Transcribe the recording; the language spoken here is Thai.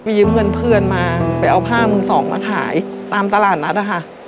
ยืมเงินเพื่อนมาไปเอาผ้ามือสองมาขายตามตลาดนัดนะคะ